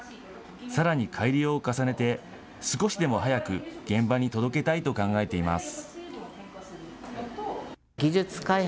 さらに改良を重ねて、少しでも早く現場に届けたいと考えています。